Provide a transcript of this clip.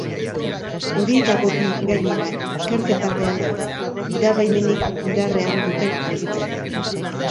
Horietako bi, gainera, ikerketapean daude gidabaimenik indarrean duten argitzeko.